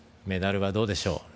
メダルはどうでしょう。